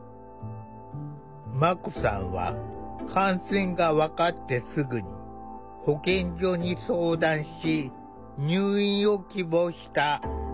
まこさんは感染が分かってすぐに保健所に相談し入院を希望した。